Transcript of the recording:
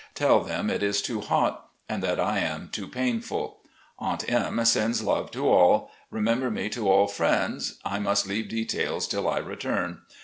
Tell them it is too hot and that I am too painful. Aunt M sends love to all. Remember me to all friends. I must leave details till I return.